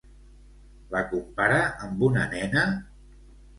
La compara amb una nena?